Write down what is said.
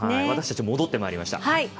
私たちも、戻ってまいりました。